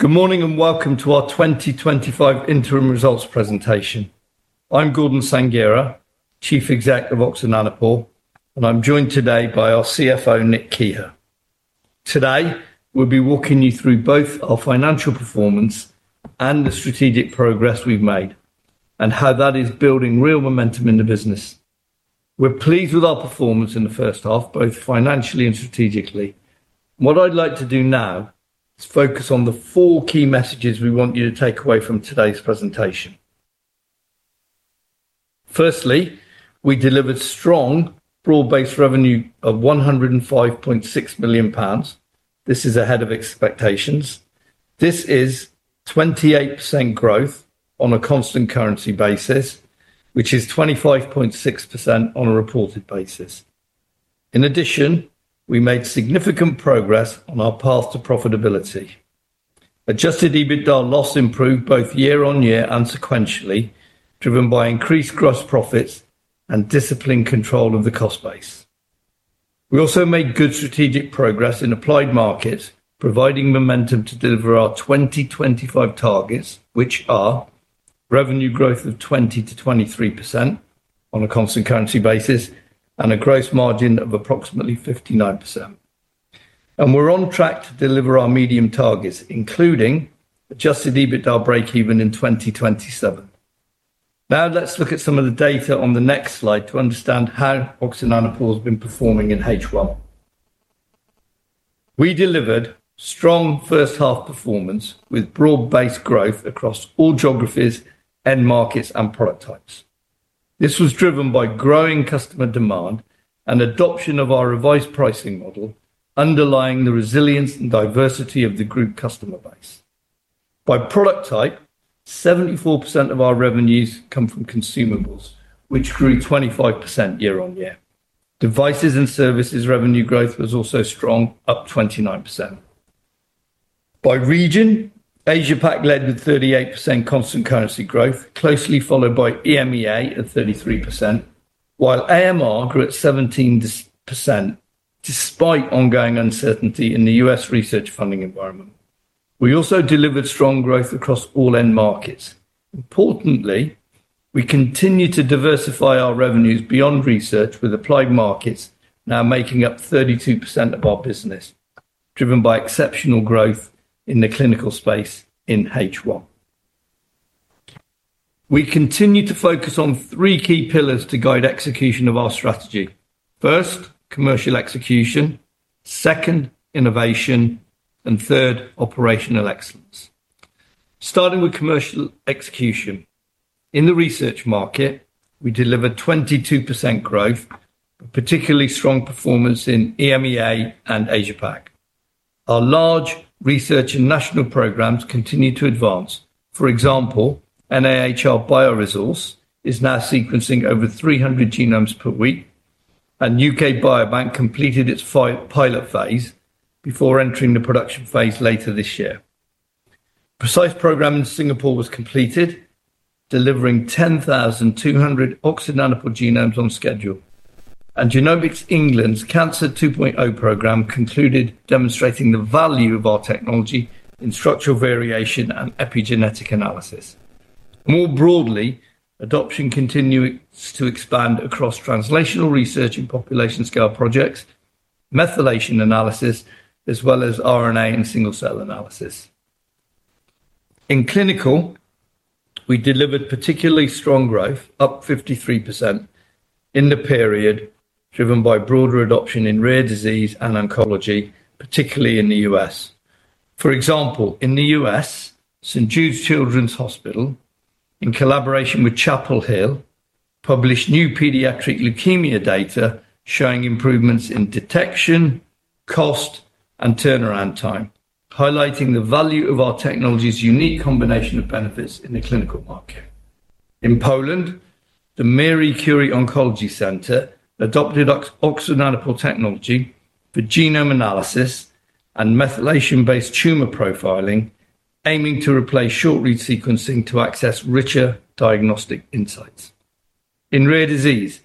Good morning and welcome to our 2025 interim results presentation. I'm Gordon Sanghera, Chief Exec of Oxford Nanopore Technologies, and I'm joined today by our CFO, Nick Keher. Today, we'll be walking you through both our financial performance and the strategic progress we've made, and how that is building real momentum in the business. We're pleased with our performance in the first half, both financially and strategically. What I'd like to do now is focus on the four key messages we want you to take away from today's presentation. Firstly, we delivered strong broad-based revenue of £105.6 million. This is ahead of expectations. This is 28% growth on a constant currency basis, which is 25.6% on a reported basis. In addition, we made significant progress on our path to profitability. Adjusted EBITDA loss improved both year-on-year and sequentially, driven by increased gross profits and disciplined control of the cost base. We also made good strategic progress in applied markets, providing momentum to deliver our 2025 targets, which are revenue growth of 20% to 23% on a constant currency basis and a gross margin of approximately 59%. We're on track to deliver our medium targets, including adjusted EBITDA breakeven in 2027. Now let's look at some of the data on the next slide to understand how Oxford Nanopore Technologies has been performing in H1. We delivered strong first-half performance with broad-based growth across all geographies, end markets, and product types. This was driven by growing customer demand and adoption of our revised pricing model, underlying the resilience and diversity of the group customer base. By product type, 74% of our revenues come from consumables, which grew 25% year-on-year. Devices and services revenue growth was also strong, up 29%. By region, Asia-Pac led with 38% constant currency growth, closely followed by EMEA at 33%, while AMR grew at 17% despite ongoing uncertainty in the U.S. research funding environment. We also delivered strong growth across all end markets. Importantly, we continue to diversify our revenues beyond research with applied markets now making up 32% of our business, driven by exceptional growth in the clinical space in H1. We continue to focus on three key pillars to guide execution of our strategy: first, commercial execution; second, innovation; and third, operational excellence. Starting with commercial execution. In the research market, we delivered 22% growth, a particularly strong performance in EMEA and Asia-Pac. Our large research and national programs continue to advance. For example, NAHR Bioresource is now sequencing over 300 genomes per week, and UK Biobank completed its pilot phase before entering the production phase later this year. A precise program in Singapore was completed, delivering 10,200 Oxford Nanopore genomes on schedule. Genomics England's Cancer 2.0 program concluded, demonstrating the value of our technology in structural variation and epigenetic analysis. More broadly, adoption continues to expand across translational research and population scale projects, methylation analysis, as well as RNA and single-cell analysis. In clinical, we delivered particularly strong growth, up 53% in the period, driven by broader adoption in rare disease and oncology, particularly in the U.S. For example, in the U.S., St. Jude's Children's Hospital, in collaboration with Chapel Hill, published new pediatric leukemia data showing improvements in detection, cost, and turnaround time, highlighting the value of our technology's unique combination of benefits in the clinical market. In Poland, the Mary Curie Oncology Centre adopted Oxford Nanopore Technologies for genome analysis and methylation-based tumor profiling, aiming to replace short-read sequencing to access richer diagnostic insights. In rare disease,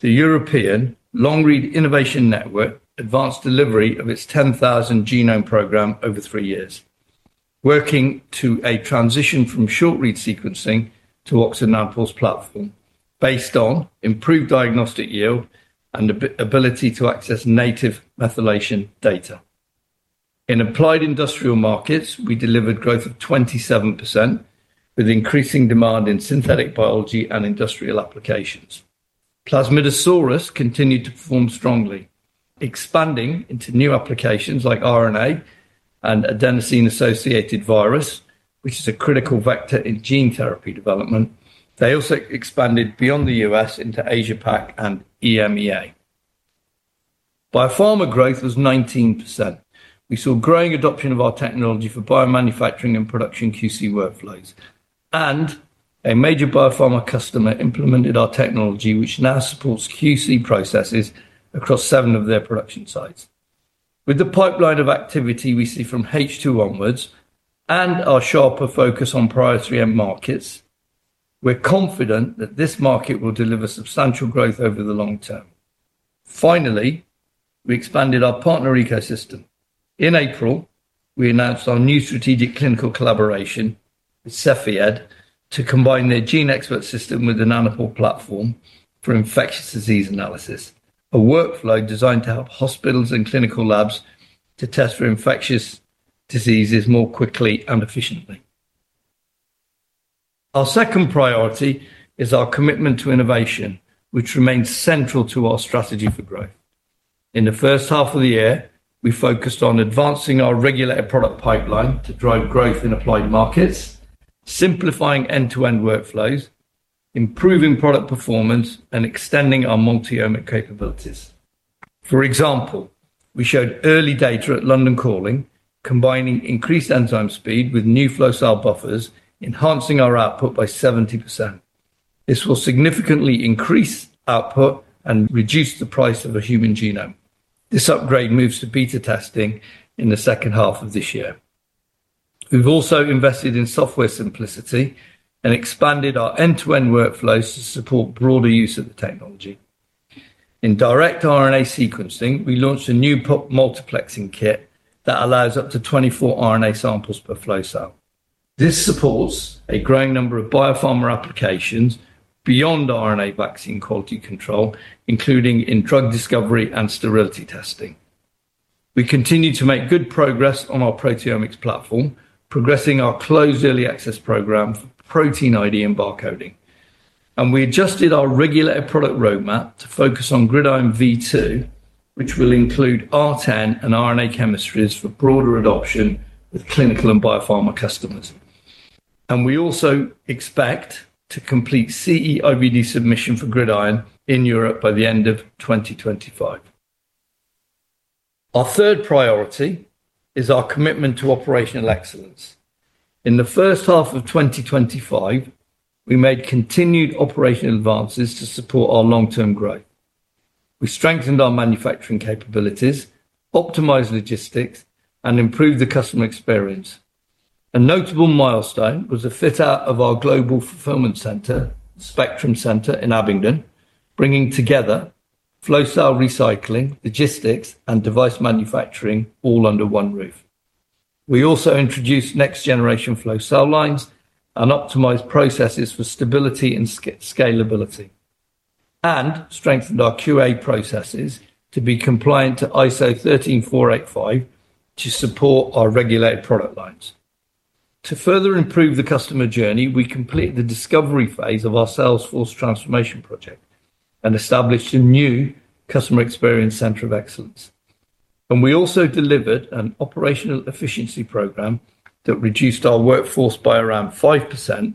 the European Long-Read Innovation Network advanced delivery of its 10,000 genome program over three years, working to a transition from short-read sequencing to Oxford Nanopore's platform, based on improved diagnostic yield and ability to access native methylation data. In applied industrial markets, we delivered growth of 27%, with increasing demand in synthetic biology and industrial applications. Plasmidsaurus continued to perform strongly, expanding into new applications like RNA and adeno-associated virus, which is a critical vector in gene therapy development. They also expanded beyond the U.S. into Asia-Pac and EMEA. Biopharma growth was 19%. We saw growing adoption of our technology for biomanufacturing and production QC workflows, and a major biopharma customer implemented our technology, which now supports QC processes across seven of their production sites. With the pipeline of activity we see from H2 onwards and our sharper focus on priority end markets, we're confident that this market will deliver substantial growth over the long term. Finally, we expanded our partner ecosystem. In April, we announced our new strategic clinical collaboration with Cepheid to combine their GeneXpert system with the Nanopore platform for infectious disease analysis, a workflow designed to help hospitals and clinical labs to test for infectious diseases more quickly and efficiently. Our second priority is our commitment to innovation, which remains central to our strategy for growth. In the first half of the year, we focused on advancing our regulated product pipeline to drive growth in applied markets, simplifying end-to-end workflows, improving product performance, and extending our multi-omic capabilities. For example, we showed early data at London Calling, combining increased enzyme speed with new flow cell buffers, enhancing our output by 70%. This will significantly increase output and reduce the price of a human genome. This upgrade moves to beta testing in the second half of this year. We've also invested in software simplicity and expanded our end-to-end workflows to support broader use of the technology. In direct RNA sequencing, we launched a new POP multiplexing kit that allows up to 24 RNA samples per flow cell. This supports a growing number of biopharma applications beyond RNA vaccine quality control, including in drug discovery and sterility testing. We continue to make good progress on our proteomics platform, progressing our closed early access program for protein ID and barcoding. We adjusted our regulated product roadmap to focus on Gridiron V2, which will include R10 and RNA chemistries for broader adoption with clinical and biopharma customers. We also expect to complete CE/IVD submission for Gridiron in Europe by the end of 2025. Our third priority is our commitment to operational excellence. In the first half of 2025, we made continued operational advances to support our long-term growth. We strengthened our manufacturing capabilities, optimized logistics, and improved the customer experience. A notable milestone was the fit-out of our global fulfillment center, the Spectrum Center, in Abingdon, bringing together flow cell recycling, logistics, and device manufacturing all under one roof. We also introduced next-generation flow cell lines and optimized processes for stability and scalability, and strengthened our QA processes to be compliant to ISO 13485 to support our regulated product lines. To further improve the customer journey, we completed the discovery phase of our Salesforce transformation project and established a new customer experience center of excellence. We also delivered an operational efficiency program that reduced our workforce by around 5%,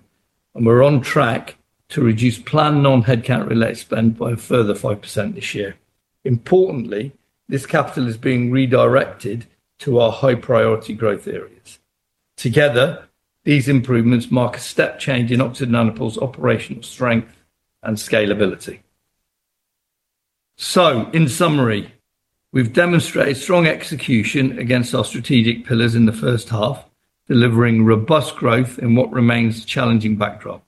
and we're on track to reduce planned non-headcount related spend by a further 5% this year. Importantly, this capital is being redirected to our high-priority growth areas. Together, these improvements mark a step change in Oxford Nanopore Technologies' operational strength and scalability. In summary, we've demonstrated strong execution against our strategic pillars in the first half, delivering robust growth in what remains a challenging backdrop,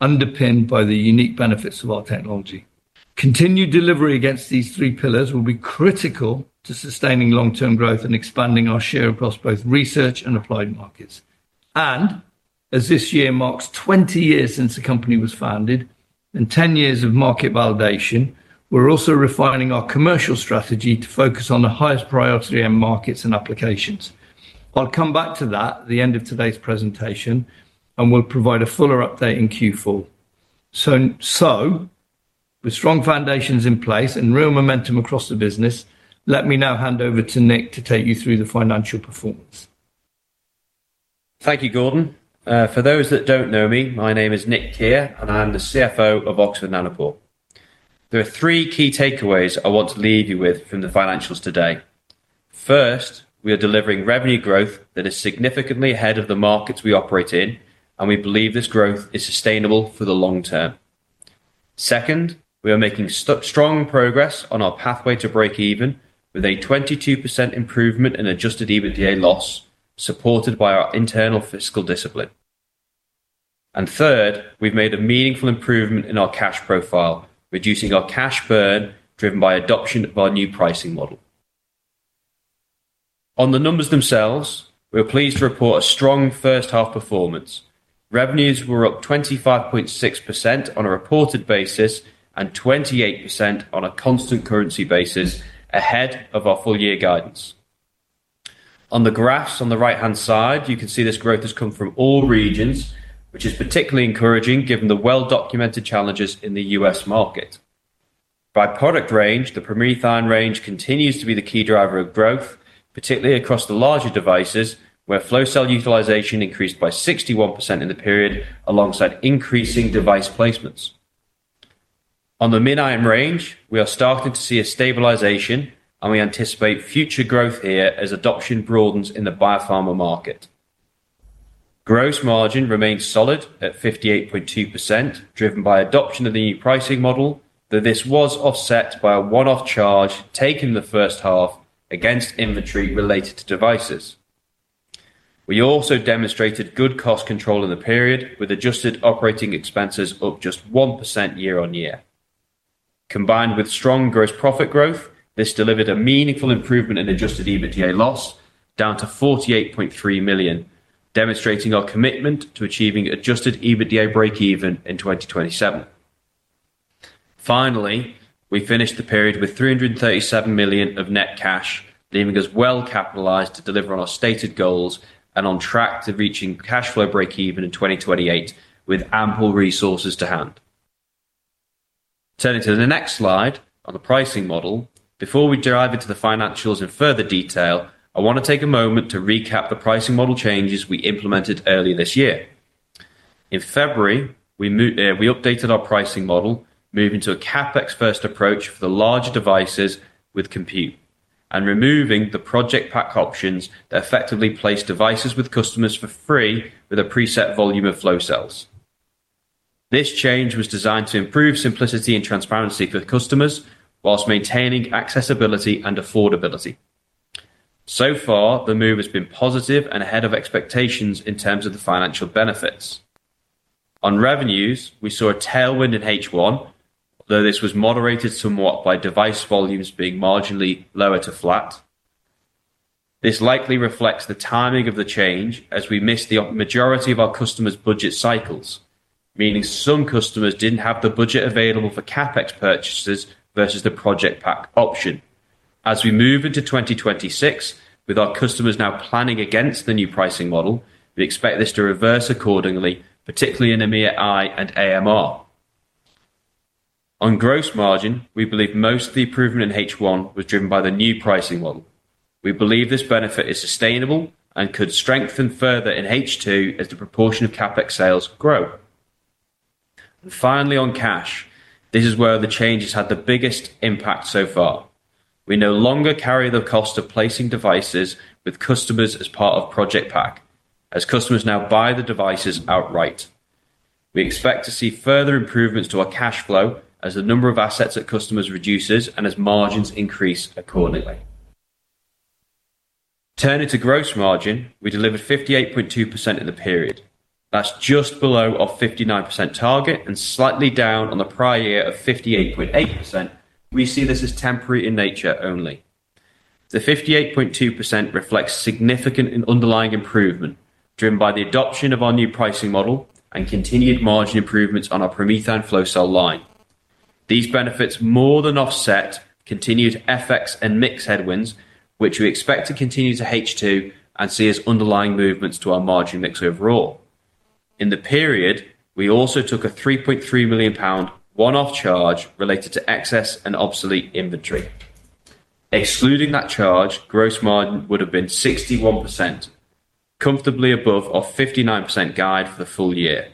underpinned by the unique benefits of our technology. Continued delivery against these three pillars will be critical to sustaining long-term growth and expanding our share across both research and applied markets. This year marks 20 years since the company was founded and 10 years of market validation, and we're also refining our commercial strategy to focus on the highest priority end markets and applications. I'll come back to that at the end of today's presentation, and we'll provide a fuller update in Q4. With strong foundations in place and real momentum across the business, let me now hand over to Nick to take you through the financial performance. Thank you, Gordon. For those that don't know me, my name is Nick Keher, and I am the CFO of Oxford Nanopore Technologies. There are three key takeaways I want to leave you with from the financials today. First, we are delivering revenue growth that is significantly ahead of the markets we operate in, and we believe this growth is sustainable for the long term. Second, we are making strong progress on our pathway to breakeven with a 22% improvement in adjusted EBITDA loss, supported by our internal fiscal discipline. Third, we've made a meaningful improvement in our cash profile, reducing our cash burn, driven by adoption of our new pricing model. On the numbers themselves, we're pleased to report a strong first-half performance. Revenues were up 25.6% on a reported basis and 28% on a constant currency basis, ahead of our full-year guidance. On the graphs on the right-hand side, you can see this growth has come from all regions, which is particularly encouraging given the well-documented challenges in the U.S. market. By product range, the PromethION range continues to be the key driver of growth, particularly across the larger devices, where Flow Cell utilization increased by 61% in the period, alongside increasing device placements. On the MinION range, we are starting to see a stabilization, and we anticipate future growth here as adoption broadens in the biopharma market. Gross margin remains solid at 58.2%, driven by adoption of the new pricing model, though this was offset by a one-off charge taken in the first half against inventory related to devices. We also demonstrated good cost control in the period, with adjusted operating expenses up just 1% year-on-year. Combined with strong gross profit growth, this delivered a meaningful improvement in adjusted EBITDA loss, down to £48.3 million, demonstrating our commitment to achieving adjusted EBITDA breakeven in 2027. Finally, we finished the period with £337 million of net cash, leaving us well capitalized to deliver on our stated goals and on track to reaching cash flow breakeven in 2028, with ample resources to hand. Turning to the next slide on the pricing model, before we dive into the financials in further detail, I want to take a moment to recap the pricing model changes we implemented early this year. In February, we updated our pricing model, moving to a CAPEX-first approach for the larger devices with compute and removing the project pack options that effectively place devices with customers for free with a preset volume of Flow Cells. This change was designed to improve simplicity and transparency for customers whilst maintaining accessibility and affordability. So far, the move has been positive and ahead of expectations in terms of the financial benefits. On revenues, we saw a tailwind in H1, though this was moderated somewhat by device volumes being marginally lower to flat. This likely reflects the timing of the change as we missed the majority of our customers' budget cycles, meaning some customers didn't have the budget available for CAPEX purchases versus the project pack option. As we move into 2026, with our customers now planning against the new pricing model, we expect this to reverse accordingly, particularly in EMEA and AMR. On gross margin, we believe most of the improvement in H1 was driven by the new pricing model. We believe this benefit is sustainable and could strengthen further in H2 as the proportion of CAPEX sales grow. Finally, on cash, this is where the changes had the biggest impact so far. We no longer carry the cost of placing devices with customers as part of project pack, as customers now buy the devices outright. We expect to see further improvements to our cash flow as the number of assets at customers reduces and as margins increase accordingly. Turning to gross margin, we delivered 58.2% in the period. That's just below our 59% target and slightly down on the prior year of 58.8%. We see this as temporary in nature only. The 58.2% reflects significant underlying improvement driven by the adoption of our new pricing model and continued margin improvements on our PromethION Flow Cell line. These benefits more than offset continuous FX and mix headwinds, which we expect to continue to H2 and see as underlying movements to our margin mix overall. In the period, we also took a £3.3 million one-off charge related to excess and obsolete inventory. Excluding that charge, gross margin would have been 61%, comfortably above our 59% guide for the full year.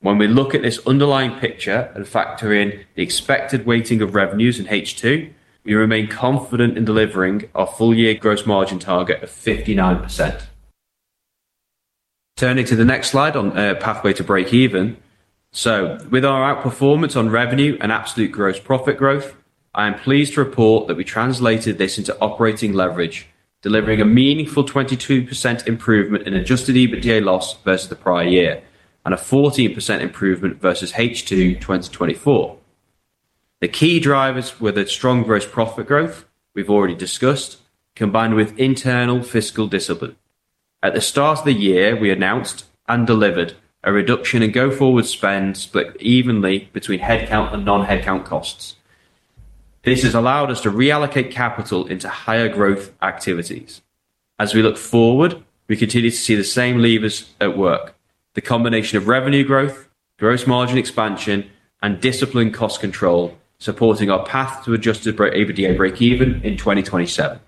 When we look at this underlying picture and factor in the expected weighting of revenues in H2, we remain confident in delivering our full-year gross margin target of 59%. Turning to the next slide on pathway to breakeven. With our outperformance on revenue and absolute gross profit growth, I am pleased to report that we translated this into operating leverage, delivering a meaningful 22% improvement in adjusted EBITDA loss versus the prior year and a 14% improvement versus H2 2024. The key drivers were the strong gross profit growth we've already discussed, combined with internal fiscal discipline. At the start of the year, we announced and delivered a reduction in go forward spend split evenly between headcount and non-headcount costs. This has allowed us to reallocate capital into higher growth activities. As we look forward, we continue to see the same levers at work: the combination of revenue growth, gross margin expansion, and disciplined cost control, supporting our path to adjusted EBITDA breakeven in 2027.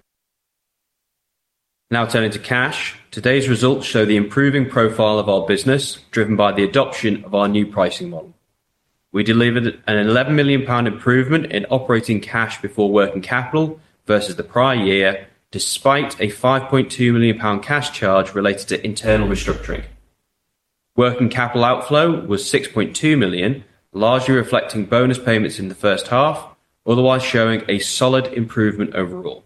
Now turning to cash, today's results show the improving profile of our business, driven by the adoption of our new pricing model. We delivered an £11 million improvement in operating cash before working capital versus the prior year, despite a £5.2 million cash charge related to internal restructuring. Working capital outflow was £6.2 million, largely reflecting bonus payments in the first half, otherwise showing a solid improvement overall.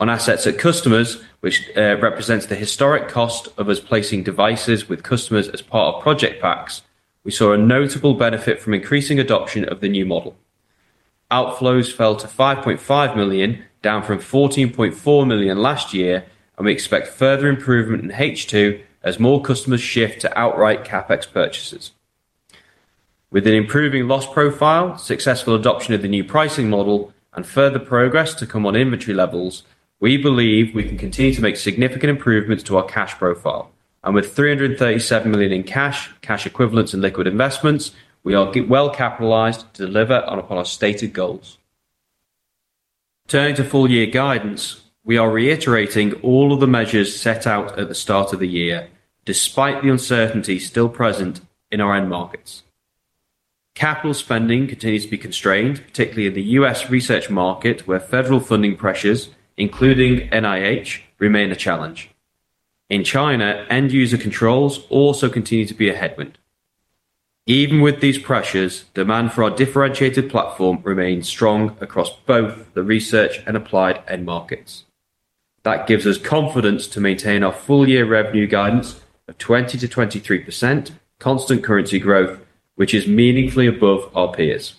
On assets at customers, which represents the historic cost of us placing devices with customers as part of project packs, we saw a notable benefit from increasing adoption of the new model. Outflows fell to £5.5 million, down from £14.4 million last year, and we expect further improvement in H2 as more customers shift to outright CAPEX purchases. With an improving loss profile, successful adoption of the new pricing model, and further progress to come on inventory levels, we believe we can continue to make significant improvements to our cash profile. With £337 million in cash, cash equivalents, and liquid investments, we are well capitalized to deliver on our stated goals. Turning to full-year guidance, we are reiterating all of the measures set out at the start of the year, despite the uncertainty still present in our end markets. Capital spending continues to be constrained, particularly in the U.S. research market, where federal funding pressures, including NIH, remain a challenge. In China, end user controls also continue to be a headwind. Even with these pressures, demand for our differentiated platform remains strong across both the research and applied end markets. That gives us confidence to maintain our full-year revenue guidance of 20% to 23% constant currency growth, which is meaningfully above our peers.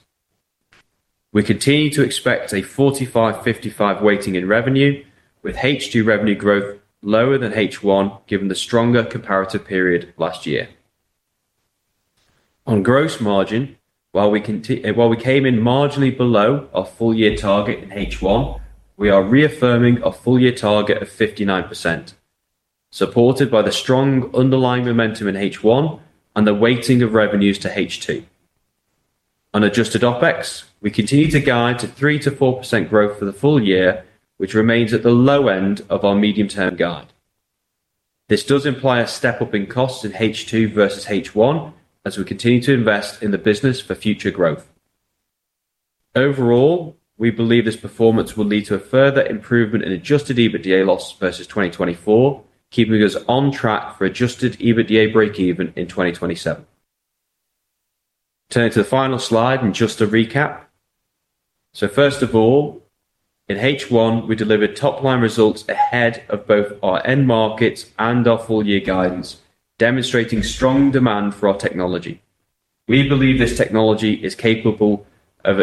We continue to expect a 45%–55% weighting in revenue, with H2 revenue growth lower than H1, given the stronger comparative period last year. On gross margin, while we came in marginally below our full-year target in H1, we are reaffirming a full-year target of 59%, supported by the strong underlying momentum in H1 and the weighting of revenues to H2. On adjusted OPEX, we continue to guide to 3% to 4% growth for the full year, which remains at the low end of our medium-term guide. This does imply a step up in costs in H2 versus H1, as we continue to invest in the business for future growth. Overall, we believe this performance will lead to a further improvement in adjusted EBITDA loss versus 2024, keeping us on track for adjusted EBITDA breakeven in 2027. Turning to the final slide and just a recap. First of all, in H1, we delivered top-line results ahead of both our end markets and our full-year guidance, demonstrating strong demand for our technology. We believe this technology is capable of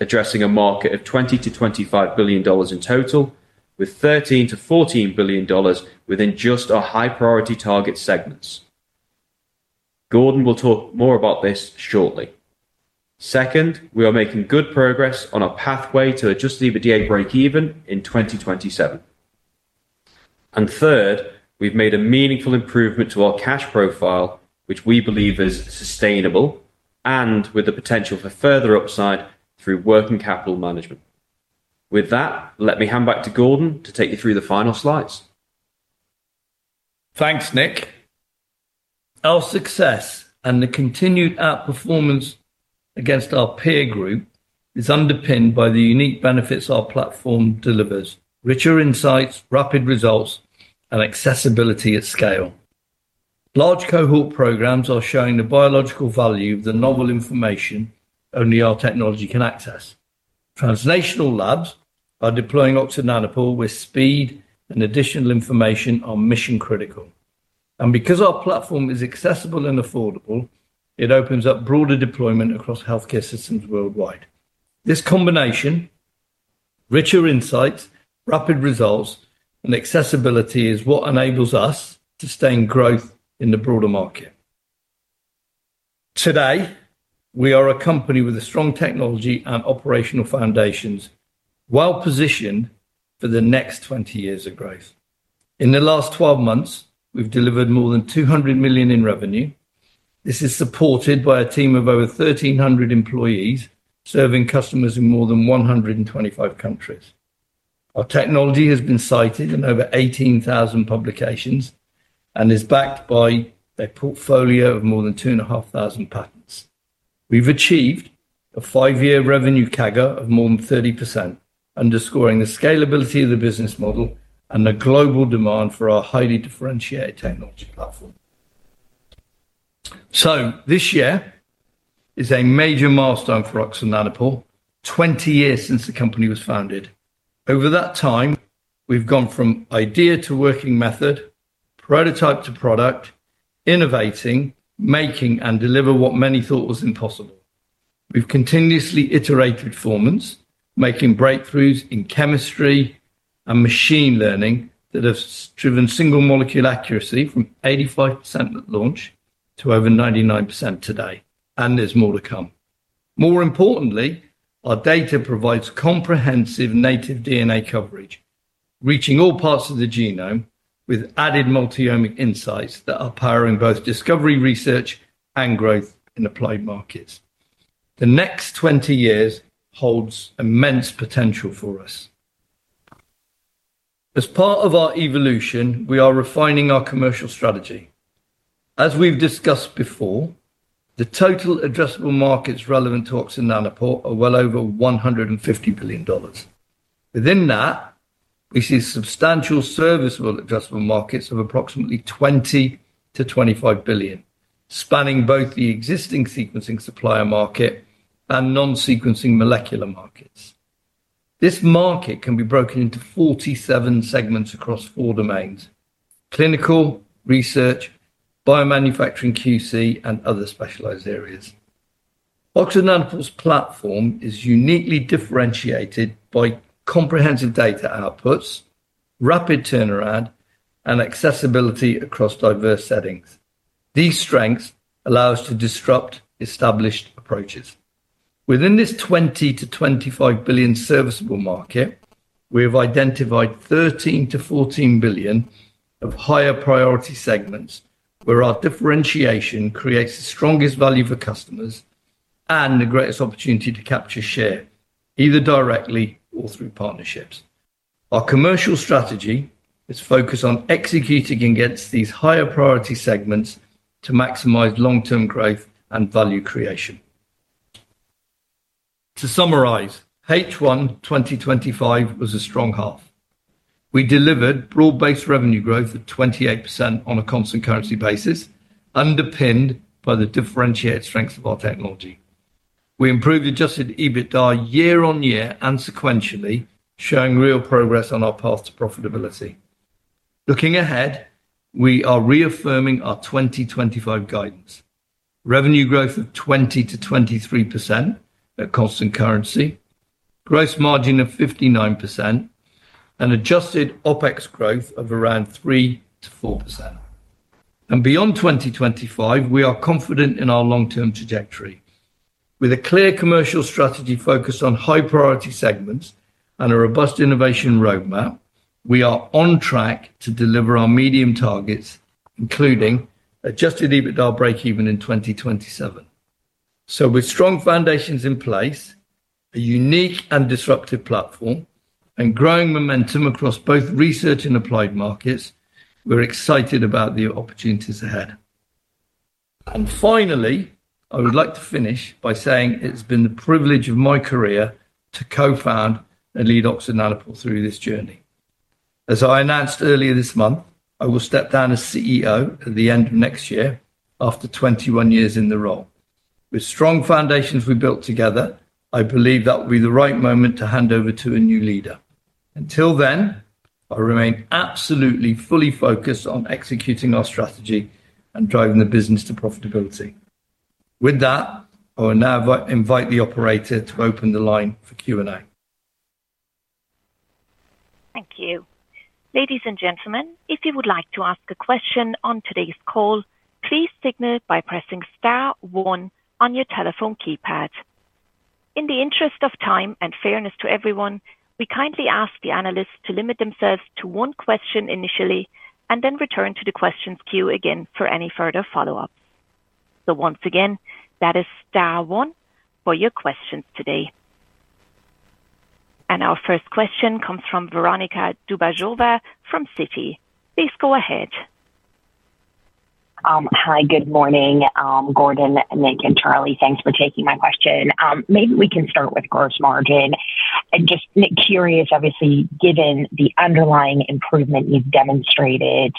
addressing a market of $20 billion to $25 billion in total, with $13 billion to $14 billion within just our high-priority target segments. Gordon will talk more about this shortly. Second, we are making good progress on our pathway to adjusted EBITDA breakeven in 2027. Third, we've made a meaningful improvement to our cash profile, which we believe is sustainable and with the potential for further upside through working capital management. With that, let me hand back to Gordon to take you through the final slides. Thanks, Nick. Our success and the continued outperformance against our peer group is underpinned by the unique benefits our platform delivers: richer insights, rapid results, and accessibility at scale. Large cohort programs are showing the biological value of the novel information only our technology can access. Translational labs are deploying Oxford Nanopore with speed and additional information on mission-critical. Because our platform is accessible and affordable, it opens up broader deployment across healthcare systems worldwide. This combination: richer insights, rapid results, and accessibility is what enables us to sustain growth in the broader market. Today, we are a company with strong technology and operational foundations, well positioned for the next 20 years of growth. In the last 12 months, we've delivered more than $200 million in revenue. This is supported by a team of over 1,300 employees serving customers in more than 125 countries. Our technology has been cited in over 18,000 publications and is backed by a portfolio of more than 2,500 patents. We've achieved a five-year revenue CAGR of more than 30%, underscoring the scalability of the business model and the global demand for our highly differentiated technology platform. This year is a major milestone for Oxford Nanopore Technologies, 20 years since the company was founded. Over that time, we've gone from idea to working method, prototype to product, innovating, making, and delivering what many thought was impossible. We've continuously iterated performance, making breakthroughs in chemistry and machine learning that have driven single molecule accuracy from 85% at launch to over 99% today, and there's more to come. More importantly, our data provides comprehensive native DNA coverage, reaching all parts of the genome with added multi-omic insights that are powering both discovery research and growth in applied markets. The next 20 years hold immense potential for us. As part of our evolution, we are refining our commercial strategy. As we've discussed before, the total addressable markets relevant to Oxford Nanopore are well over $150 billion. Within that, we see substantial serviceable addressable markets of approximately $20 to $25 billion, spanning both the existing sequencing supplier market and non-sequencing molecular markets. This market can be broken into 47 segments across four domains: clinical, research, biomanufacturing QC, and other specialized areas. Oxford Nanopore Technologies' platform is uniquely differentiated by comprehensive data outputs, rapid turnaround, and accessibility across diverse settings. These strengths allow us to disrupt established approaches. Within this $20 billion to $25 billion serviceable addressable market, we have identified $13 billion to $14 billion of higher priority segments where our differentiation creates the strongest value for customers and the greatest opportunity to capture share, either directly or through partnerships. Our commercial strategy is focused on executing against these higher priority segments to maximize long-term growth and value creation. To summarize, H1 2025 was a strong half. We delivered broad-based revenue growth of 28% on a constant currency basis, underpinned by the differentiated strengths of our technology. We improved adjusted EBITDA year-on-year and sequentially, showing real progress on our path to profitability. Looking ahead, we are reaffirming our 2025 guidance: revenue growth of 20% to 23% at constant currency, gross margin of 59%, and adjusted OPEX growth of around 3% to 4%. Beyond 2025, we are confident in our long-term trajectory. With a clear commercial strategy focused on high-priority segments and a robust innovation roadmap, we are on track to deliver our medium targets, including adjusted EBITDA breakeven in 2027. With strong foundations in place, a unique and disruptive platform, and growing momentum across both research and applied markets, we're excited about the opportunities ahead. Finally, I would like to finish by saying it's been the privilege of my career to co-found and lead Oxford Nanopore Technologies through this journey. As I announced earlier this month, I will step down as CEO at the end of next year, after 21 years in the role. With strong foundations we built together, I believe that will be the right moment to hand over to a new leader. Until then, I remain absolutely fully focused on executing our strategy and driving the business to profitability. With that, I will now invite the operator to open the line for Q&A. Thank you. Ladies and gentlemen, if you would like to ask a question on today's call, please signal it by pressing *1 on your telephone keypad. In the interest of time and fairness to everyone, we kindly ask the analysts to limit themselves to one question initially and then return to the questions queue again for any further follow-up. Once again, that is *1 for your questions today. Our first question comes from Veronica Dubajova from Citi. Please go ahead. Hi, good morning, Gordon, Nick, and Charlie. Thanks for taking my question. Maybe we can start with gross margin. I'm just curious, obviously, given the underlying improvement you've demonstrated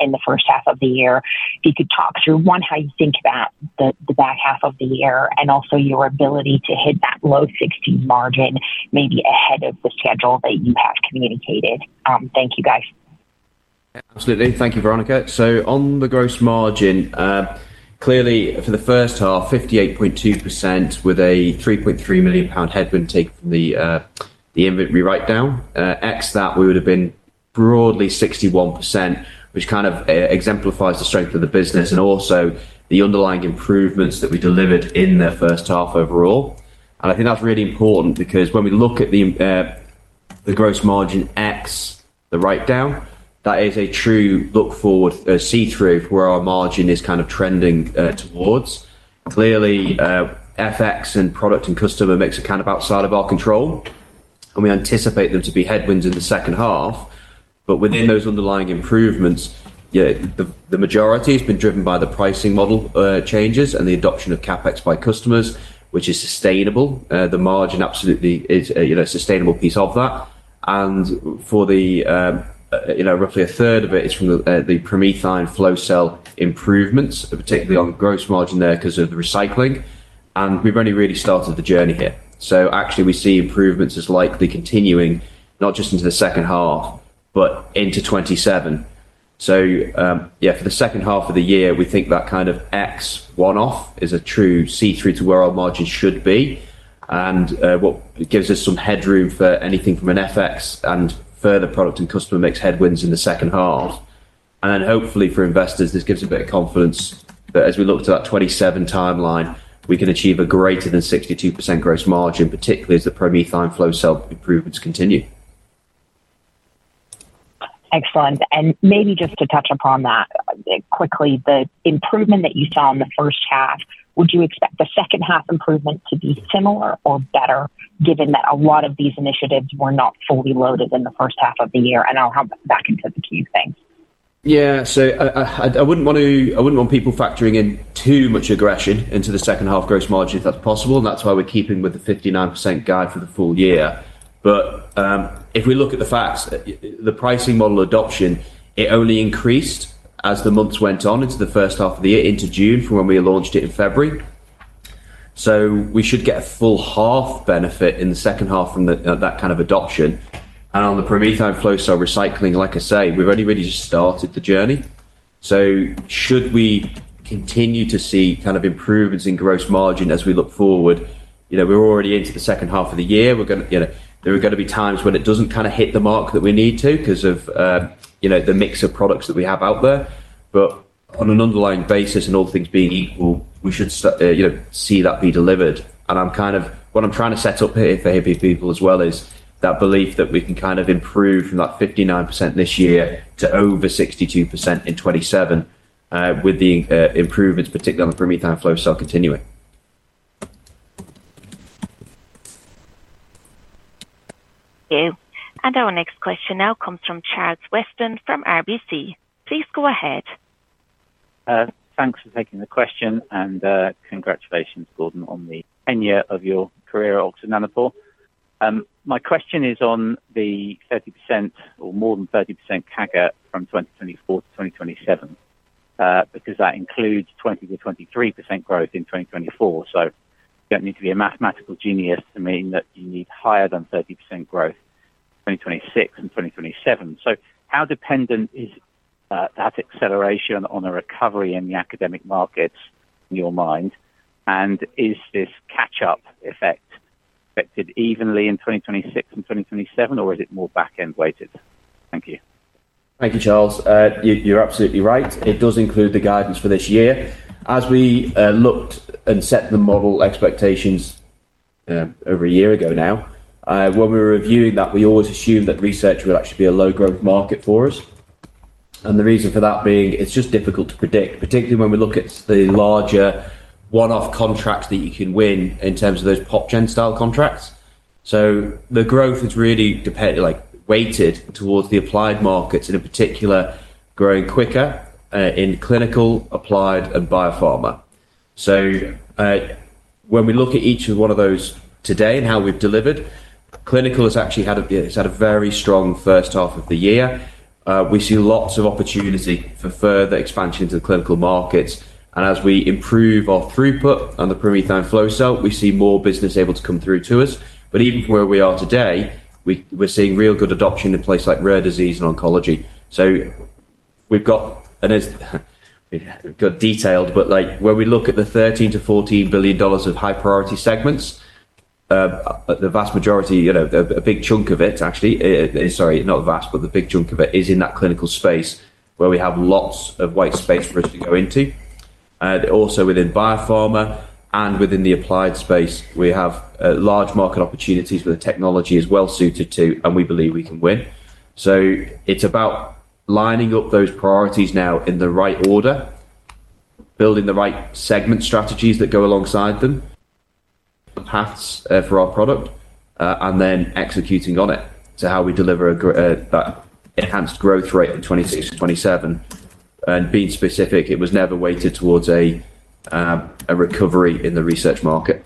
in the first half of the year, if you could talk through, one, how you think about the back half of the year and also your ability to hit that low 60% margin, maybe ahead of the schedule that you have communicated. Thank you, guys. Absolutely. Thank you, Veronica. On the gross margin, clearly for the first half, 58.2% with a £3.3 million headwind taken from the inventory write-down. At that, we would have been broadly 61%, which kind of exemplifies the strength of the business and also the underlying improvements that we delivered in the first half overall. I think that's really important because when we look at the gross margin excluding the write-down, that is a true look forward, a see-through for where our margin is kind of trending towards. Clearly, FX and product and customer mix are kind of outside of our control, and we anticipate them to be headwinds in the second half. Within those underlying improvements, the majority has been driven by the pricing model changes and the adoption of CAPEX by customers, which is sustainable. The margin absolutely is a sustainable piece of that. For roughly a third of it, it is from the PromethION Flow Cell improvements, particularly on gross margin there because of the recycling. We've only really started the journey here. Actually, we see improvements as likely continuing, not just into the second half, but into 2027. For the second half of the year, we think that kind of excluding one-off is a true see-through to where our margin should be. This gives us some headroom for anything from an FX and further product and customer mix headwinds in the second half. Hopefully for investors, this gives a bit of confidence that as we look to that 2027 timeline, we can achieve a greater than 62% gross margin, particularly as the PromethION Flow Cell improvements continue. Excellent. Maybe just to touch upon that quickly, the improvement that you saw in the first half, would you expect the second half improvement to be similar or better, given that a lot of these initiatives were not fully loaded in the first half of the year? I'll hop back into the queue. Thanks. Yeah, I wouldn't want people factoring in too much aggression into the second half gross margin if that's possible. That's why we're keeping with the 59% guide for the full year. If we look at the FAS, the pricing model adoption only increased as the months went on into the first half of the year, into June, from when we launched it in February. We should get a full half benefit in the second half from that kind of adoption. On the PromethION Flow Cell recycling, like I say, we've only really just started the journey. Should we continue to see improvements in gross margin as we look forward? We're already into the second half of the year. There are going to be times when it doesn't hit the mark that we need to because of the mix of products that we have out there. On an underlying basis, and all things being equal, we should see that be delivered. What I'm trying to set up here for happy people as well is that belief that we can improve from that 59% this year to over 62% in 2027, with the improvements, particularly on the PromethION Flow Cell continuing. Thank you. Our next question now comes from Charles Weston from RBC. Please go ahead. Thanks for taking the question and congratulations, Gordon, on the 10-year of your career at Oxford Nanopore. My question is on the 30% or more than 30% CAGR from 2024 to 2027, because that includes 20% to 23% growth in 2024. You don't need to be a mathematical genius to mean that you need higher than 30% growth in 2026 and 2027. How dependent is that acceleration on a recovery in the academic markets in your mind? Is this catch-up effect affected evenly in 2026 and 2027, or is it more back-end weighted? Thank you. Thank you, Charles. You're absolutely right. It does include the guidance for this year. As we looked and set the model expectations over a year ago now, when we were reviewing that, we always assumed that research would actually be a low-growth market for us. The reason for that being it's just difficult to predict, particularly when we look at the larger one-off contracts that you can win in terms of those pop-gen style contracts. The growth is really dependent, like weighted towards the applied markets, in particular growing quicker in clinical, applied, and biopharma markets. When we look at each one of those today and how we've delivered, clinical has actually had a very strong first half of the year. We see lots of opportunity for further expansion into the clinical markets. As we improve our throughput on the PromethION Flow Cell, we see more business able to come through to us. Even from where we are today, we're seeing real good adoption in a place like rare disease and oncology. We've got, and as we've got detailed, but like when we look at the $13 to $14 billion of high-priority segments, the vast majority, you know, a big chunk of it actually, sorry, not vast, but the big chunk of it is in that clinical space where we have lots of white space for us to go into. Also within biopharma and within the applied space, we have large market opportunities where the technology is well suited to, and we believe we can win. It's about lining up those priorities now in the right order, building the right segment strategies that go alongside them, the paths for our product, and then executing on it to how we deliver an enhanced growth rate in 2026 and 2027. Being specific, it was never weighted towards a recovery in the research market.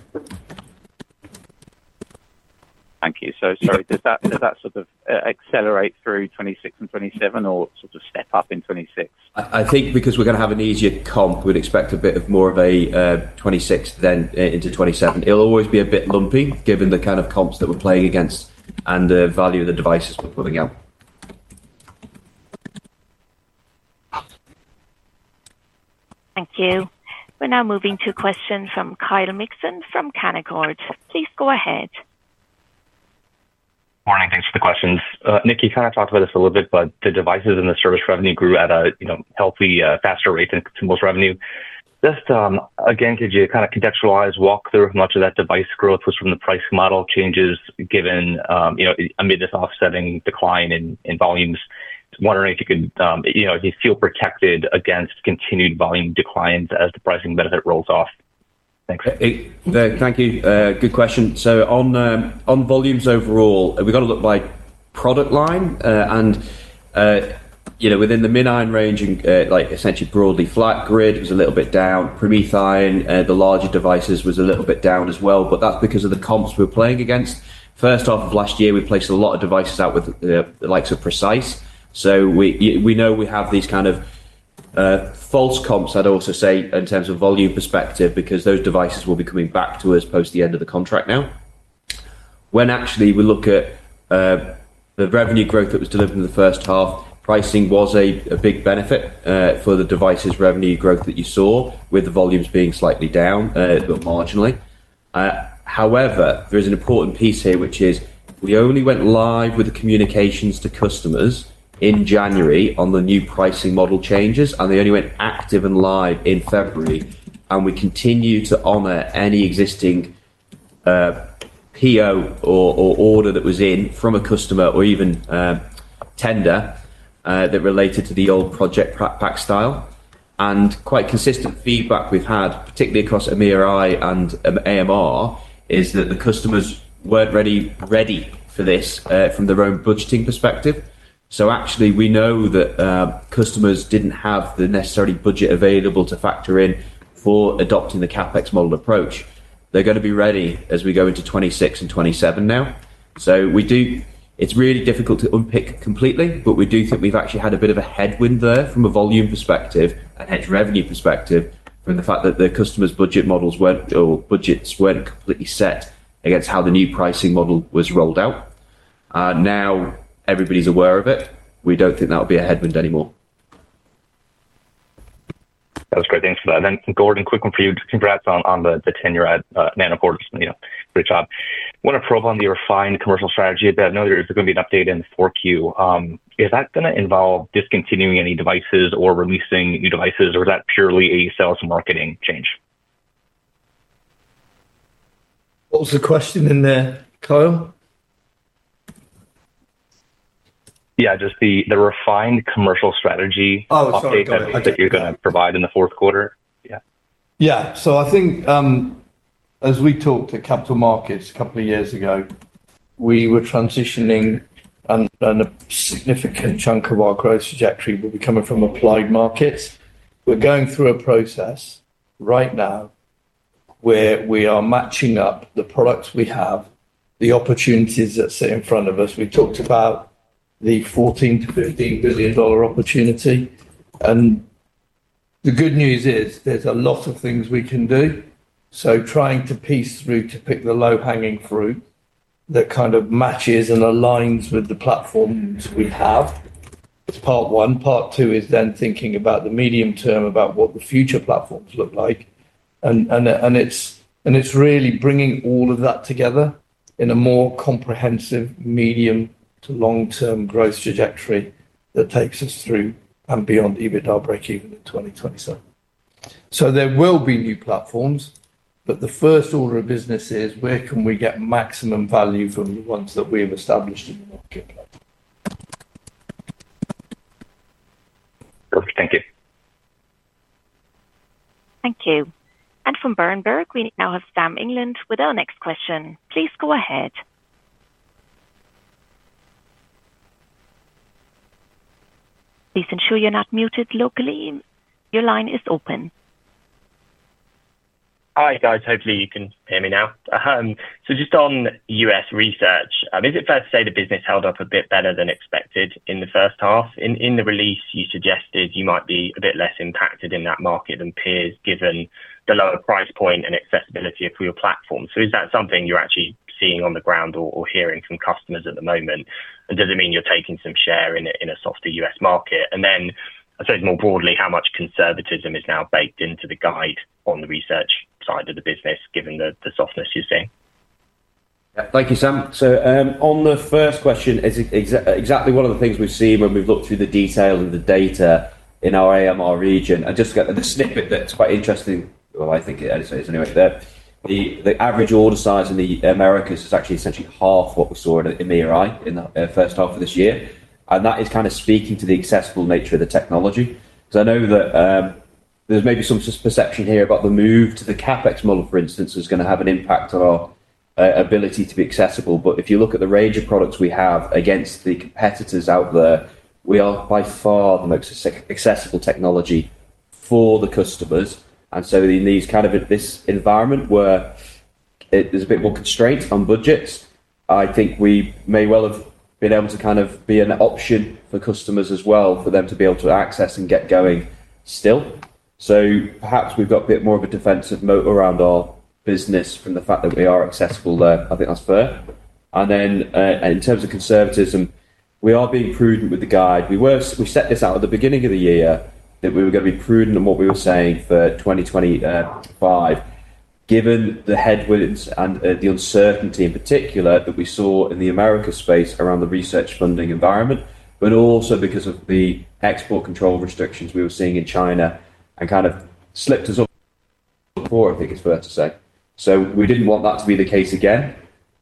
Thank you. Does that sort of accelerate through 2026 and 2027 or sort of step up in 2026? I think because we're going to have an easier comp, we'd expect a bit of more of a '26 than into '27. It'll always be a bit lumpy given the kind of comps that we're playing against and the value of the devices we're putting out. Thank you. We're now moving to a question from Kyle Mixon from Canaccord. Please go ahead. Morning. Thanks for the questions. Nick, you kind of talked about this a little bit, but the devices and the service revenue grew at a, you know, healthy, faster rate than consumables revenue. Just again, could you kind of contextualize, walk through how much of that device growth was from the pricing model changes given, you know, amid this offsetting decline in volumes? I'm wondering if you could, you know, do you feel protected against continued volume declines as the pricing benefit rolls off? Thanks. Thank you. Good question. On volumes overall, we've got to look by product line. Within the MinION range, essentially broadly flat, GridION was a little bit down. PromethION, the larger devices, was a little bit down as well, but that's because of the comps we're playing against. First half of last year, we placed a lot of devices out with the likes of Precise. We know we have these kind of false comps. I'd also say, in terms of volume perspective, those devices will be coming back to us post the end of the contract now. When we look at the revenue growth that was delivered in the first half, pricing was a big benefit for the devices' revenue growth that you saw with the volumes being slightly down, but marginally. However, there's an important piece here, which is we only went live with the communications to customers in January on the new pricing model changes, and they only went active and live in February. We continue to honor any existing PO or order that was in from a customer or even tender that related to the old project pack style. Quite consistent feedback we've had, particularly across EMEA and AMR, is that the customers weren't ready for this from their own budgeting perspective. We know that customers didn't have the necessary budget available to factor in for adopting the CAPEX-first pricing model approach. They're going to be ready as we go into 2026 and 2027 now. It's really difficult to unpick completely, but we do think we've actually had a bit of a headwind there from a volume perspective and edge revenue perspective from the fact that the customers' budget models or budgets weren't completely set against how the new pricing model was rolled out. Now everybody's aware of it. We don't think that'll be a headwind anymore. That was great to answer that. Gordon, quick one for you to wrap on the tenure at Oxford Nanopore Technologies, you know, great job. I want to probe on the refined commercial strategy a bit. I know there's going to be an update in the 4Q. Is that going to involve discontinuing any devices or releasing new devices, or is that purely a sales and marketing change? What was the question in there, Kyle? Yeah, just the refined commercial strategy. Oh, sorry. That you're going to provide in the fourth quarter, yeah. Yeah. I think as we talked at Capital Markets a couple of years ago, we were transitioning, and a significant chunk of our growth trajectory will be coming from applied markets. We're going through a process right now where we are matching up the products we have, the opportunities that sit in front of us. We talked about the $14 to $15 billion opportunity. The good news is there's a lot of things we can do. Trying to piece through to pick the low-hanging fruit that kind of matches and aligns with the platforms we have, that's part one. Part two is then thinking about the medium term, about what the future platforms look like. It's really bringing all of that together in a more comprehensive medium to long-term growth trajectory that takes us through and beyond EBITDA breakeven in 2027. There will be new platforms, but the first order of business is where can we get maximum value from the ones that we've established in the market. Thank you. Thank you. From Berenberg, we now have Sam England with our next question. Please go ahead. Please ensure you're not muted locally. Your line is open. Hi, guys. Hopefully, you can hear me now. Just on U.S. research, is it fair to say the business held up a bit better than expected in the first half? In the release, you suggested you might be a bit less impacted in that market than peers, given the lower price point and accessibility for your platform. Is that something you're actually seeing on the ground or hearing from customers at the moment? Does it mean you're taking some share in a softer U.S. market? I suppose more broadly, how much conservatism is now baked into the guide on the research side of the business, given the softness you're seeing? Thank you, Sam. On the first question, this is exactly one of the things we've seen when we've looked through the detail and the data in our AMR region. I just got a snippet that's quite interesting. I think it is anyway. The average order size in the Americas is actually essentially half what we saw in MEOI in the first half of this year. That is kind of speaking to the accessible nature of the technology. I know that there's maybe some perception here about the move to the CAPEX-first pricing model, for instance, is going to have an impact on our ability to be accessible. If you look at the range of products we have against the competitors out there, we are by far the most accessible technology for the customers. In this kind of environment where there's a bit more constraint on budgets, I think we may well have been able to kind of be an option for customers as well, for them to be able to access and get going still. Perhaps we've got a bit more of a defensive moat around our business from the fact that we are accessible there. I think that's fair. In terms of conservatism, we are being prudent with the guide. We set this out at the beginning of the year that we were going to be prudent in what we were saying for 2025, given the headwinds and the uncertainty in particular that we saw in the Americas space around the research funding environment, but also because of the export control restrictions we were seeing in China and kind of slipped us up for it, I guess for that to say. We didn't want that to be the case again.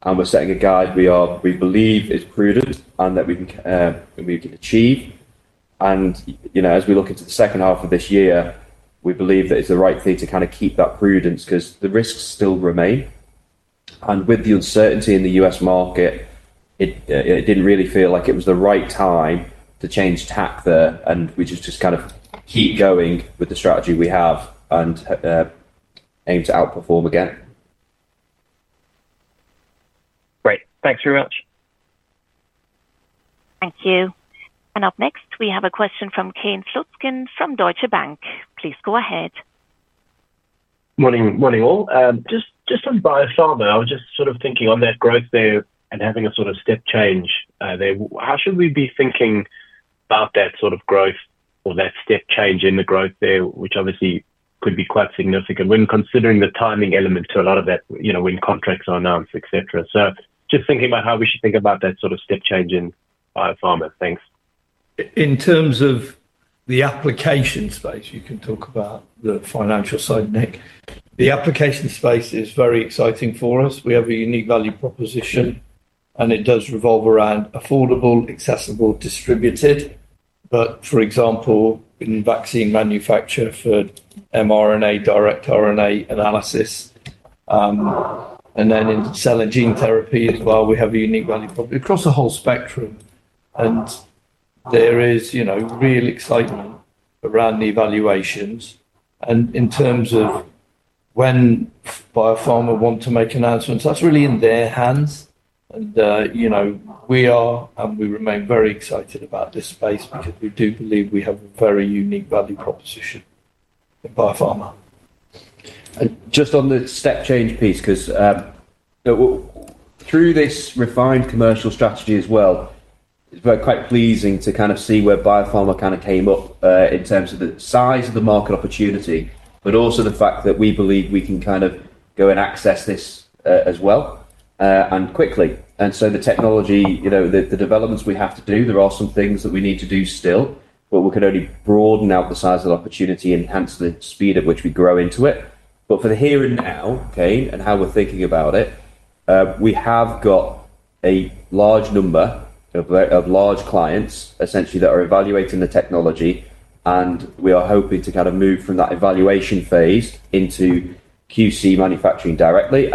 We're setting a guide we believe is prudent and that we can achieve. As we look into the second half of this year, we believe that it's the right thing to kind of keep that prudence because the risks still remain. With the uncertainty in the U.S. market, it didn't really feel like it was the right time to change tack there. We just kind of keep going with the strategy we have and aim to outperform again. Great, thanks very much. Thank you. Up next, we have a question from Kane Slotzkin from Deutsche Bank. Please go ahead. Morning, morning all. Just on biopharma, I was just thinking on that growth there and having a sort of step change there. How should we be thinking about that sort of growth or that step change in the growth there, which obviously could be quite significant when considering the timing elements for a lot of that, you know, when contracts are announced, et cetera. Just thinking about how we should think about that sort of step change in biopharma. Thanks. In terms of the application space, you can talk about the financial side of it. The application space is very exciting for us. We have a unique value proposition, and it does revolve around affordable, accessible, distributed. For example, in vaccine manufacture for mRNA, direct RNA analysis, and then in cell and gene therapy as well, we have a unique value prop across the whole spectrum. There is real excitement around the evaluations. In terms of when biopharma wants to make announcements, that's really in their hands. We are, and we remain, very excited about this space because we do believe we have a very unique value proposition in biopharma. Just on the step change piece, through this refined commercial strategy as well, it's quite pleasing to see where biopharma came up in terms of the size of the market opportunity, but also the fact that we believe we can go and access this as well and quickly. The technology, the developments we have to do, there are some things that we need to do still, but we can only broaden out the size of the opportunity and enhance the speed at which we grow into it. For the here and now, Kane, and how we're thinking about it, we have got a large number of large clients essentially that are evaluating the technology, and we are hoping to move from that evaluation phase into QC manufacturing directly.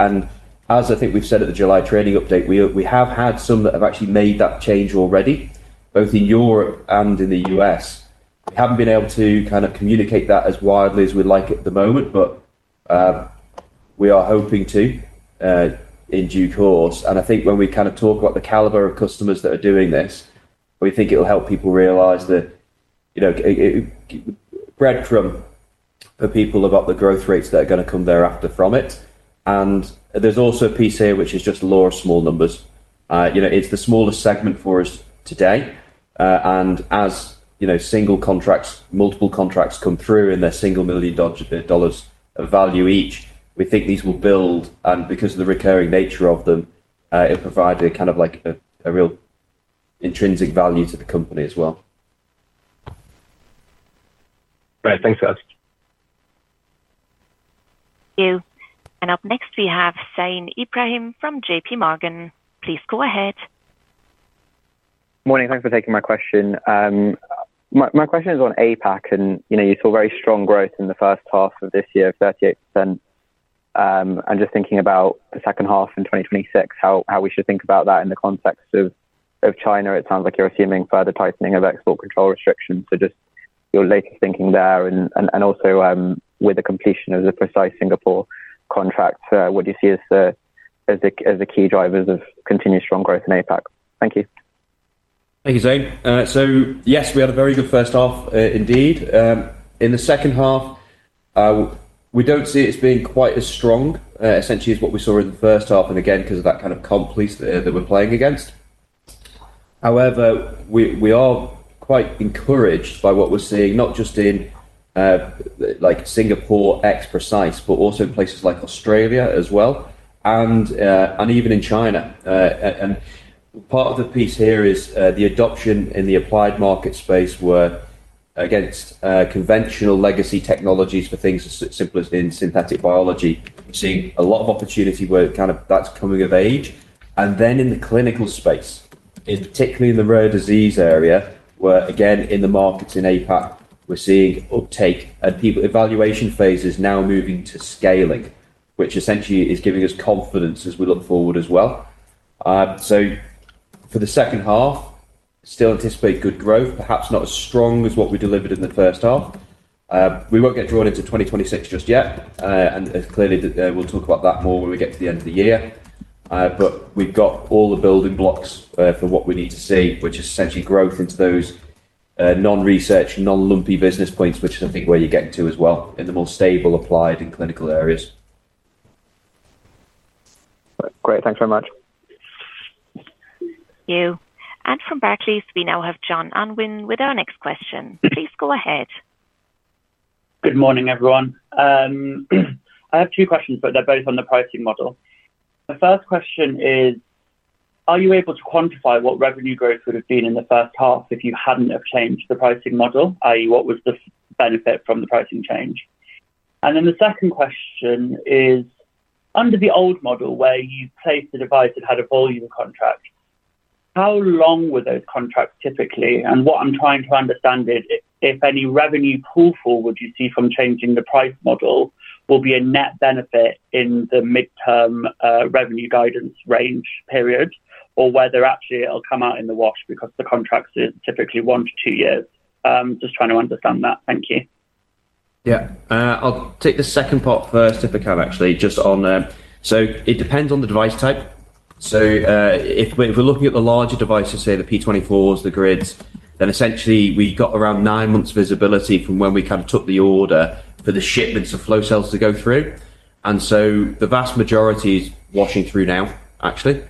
As I think we've said at the July training update, we have had some that have actually made that change already, both in Europe and in the U.S. We haven't been able to communicate that as widely as we'd like at the moment, but we are hoping to in due course. I think when we talk about the caliber of customers that are doing this, we think it'll help people realize that, breadcrumb for people about the growth rates that are going to come thereafter from it. There's also a piece here which is just lower small numbers. It's the smallest segment for us today. As single contracts, multiple contracts come through in their single million dollars of value each, we think these will build. Because of the recurring nature of them, it provides a real intrinsic value to the company as well. Right. Thanks, guys. Thank you. Up next, we have Zain Ibrahim from JPMorgan. Please go ahead. Morning. Thanks for taking my question. My question is on APAC, and you know, you saw very strong growth in the first half of this year, 38%. Just thinking about the second half in 2026, how we should think about that in the context of China, it sounds like you're assuming further tightening of export control restrictions. Just your latest thinking there, and also with the completion of the Precise Singapore contract, what do you see as the key drivers of continued strong growth in APAC? Thank you. Thank you, Zain. Yes, we had a very good first half indeed. In the second half, we don't see it as being quite as strong, essentially as what we saw in the first half, again, because of that kind of comp piece that we're playing against. However, we are quite encouraged by what we're seeing, not just in Singapore ex-Precise, but also in places like Australia as well, and even in China. Part of the piece here is the adoption in the applied market space where, against conventional legacy technologies for things as simple as in synthetic biology, we're seeing a lot of opportunity where that's coming of age. In the clinical space, particularly in the rare disease area, in the markets in APAC, we're seeing uptake and people in evaluation phases now moving to scaling, which essentially is giving us confidence as we look forward as well. For the second half, still anticipate good growth, perhaps not as strong as what we delivered in the first half. We won't get drawn into 2026 just yet, and clearly we'll talk about that more when we get to the end of the year. We've got all the building blocks for what we need to see, which is essentially growth into those non-research, non-lumpy business points, which is, I think, where you're getting to as well in the more stable applied and clinical areas. Great, thanks very much. Thank you. From Barclays, we now have John Unwin with our next question. Please go ahead. Good morning, everyone. I have two questions, but they're both on the pricing model. The first question is, are you able to quantify what revenue growth would have been in the first half if you hadn't changed the pricing model, i.e., what was the benefit from the pricing change? The second question is, under the old model where you placed a device that had a volume of contracts, how long were those contracts typically? What I'm trying to understand is if any revenue pull forward you see from changing the pricing model will be a net benefit in the mid-term revenue guidance range period, or whether actually it'll come out in the wash because the contracts are typically one to two years. Just trying to understand that. Thank you. Yeah, I'll take the second part first if I can, actually. It depends on the device type. If we're looking at the larger devices, say the P24s, the grids, then essentially we got around nine months visibility from when we took the order for the shipments of Flow Cells to go through. The vast majority is washing through now, actually.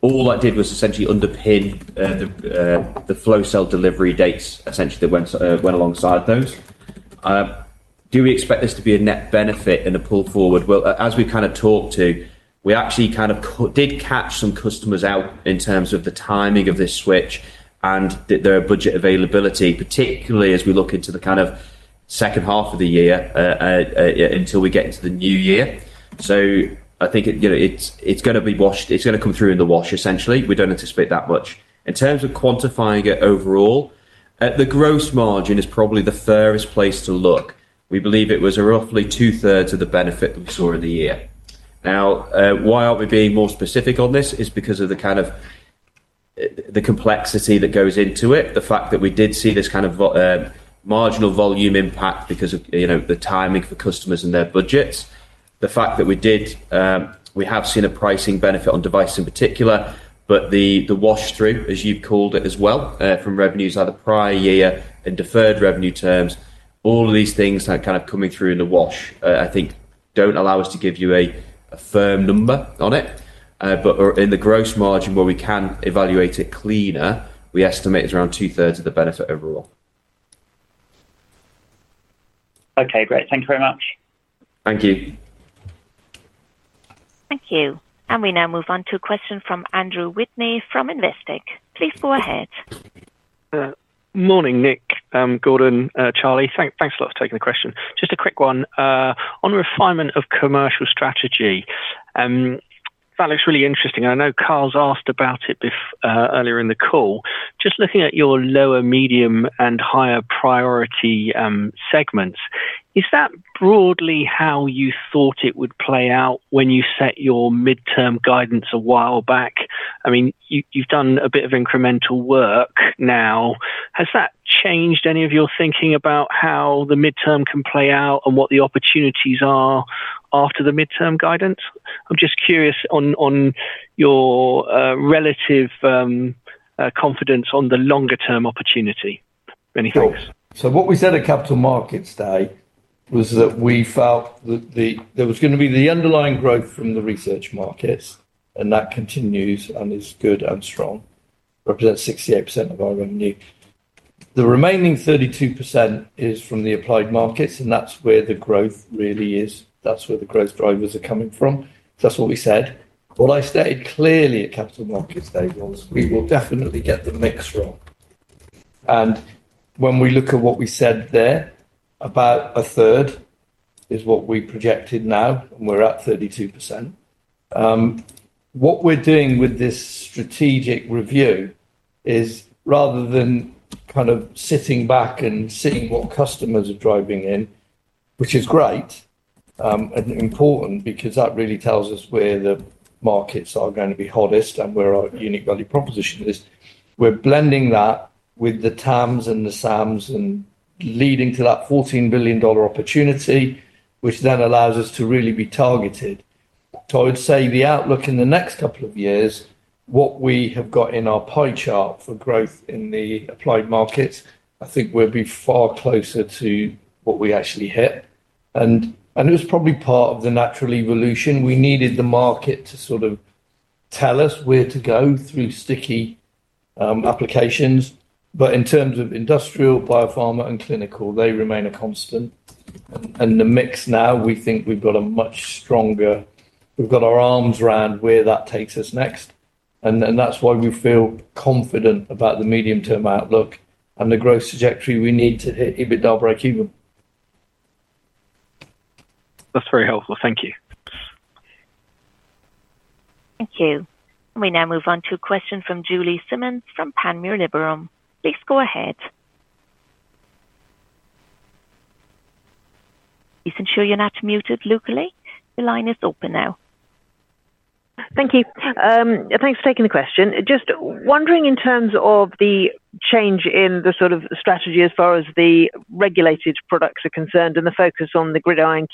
All that did was essentially underpin the Flow Cell delivery dates that went alongside those. Do we expect this to be a net benefit and a pull forward? As we talked to, we actually did catch some customers out in terms of the timing of this switch and their budget availability, particularly as we look into the second half of the year until we get into the new year. I think it's going to come through in the wash, essentially. We don't anticipate that much. In terms of quantifying it overall, the gross margin is probably the fairest place to look. We believe it was roughly two-thirds of the benefit that we saw in the year. Why aren't we being more specific on this is because of the complexity that goes into it, the fact that we did see this marginal volume impact because of the timing for customers and their budgets, the fact that we have seen a pricing benefit on device in particular, but the wash-through, as you called it as well, from revenues out of the prior year in deferred revenue terms, all of these things that are coming through in the wash, I think, don't allow us to give you a firm number on it. In the gross margin where we can evaluate it cleaner, we estimate it's around two-thirds of the benefit overall. Okay, great. Thank you very much. Thank you. Thank you. We now move on to a question from Andrew Whitney from Investech. Please go ahead. Morning, Nick, Gordon, Charlie. Thanks a lot for taking the question. Just a quick one. On refinement of commercial strategy, that looks really interesting. I know Kyle's asked about it earlier in the call. Just looking at your lower, medium, and higher priority segments, is that broadly how you thought it would play out when you set your midterm guidance a while back? I mean, you've done a bit of incremental work now. Has that changed any of your thinking about how the midterm can play out and what the opportunities are after the midterm guidance? I'm just curious on your relative confidence on the longer-term opportunity. Any thoughts? Sure. What we said at Capital Markets Day was that we felt that there was going to be the underlying growth from the research markets, and that continues and is good and strong, represents 68% of our revenue. The remaining 32% is from the applied markets, and that's where the growth really is. That's where the growth drivers are coming from. That's what we said. What I stated clearly at Capital Markets Day was we will definitely get the mix wrong. When we look at what we said there, about a third is what we projected now, and we're at 32%. What we're doing with this strategic review is rather than kind of sitting back and seeing what customers are driving in, which is great and important because that really tells us where the markets are going to be hottest and where our unique value proposition is, we're blending that with the TAMs and the SAMs and leading to that $14 billion opportunity, which then allows us to really be targeted. I would say the outlook in the next couple of years, what we have got in our pie chart for growth in the applied markets, I think we'll be far closer to what we actually hit. It was probably part of the natural evolution. We needed the market to sort of tell us where to go through sticky applications. In terms of industrial, biopharma, and clinical, they remain a constant. The mix now, we think we've got a much stronger, we've got our arms around where that takes us next. That's why we feel confident about the medium-term outlook and the growth trajectory we need to hit EBITDA breakeven. That's very helpful. Thank you. Thank you. We now move on to a question from Julie Simmons from Panmure Liberum. Please go ahead. Please ensure you're not muted locally. Your line is open now. Thank you. Thanks for taking the question. Just wondering in terms of the change in the sort of strategy as far as the regulated products are concerned and the focus on the GridION,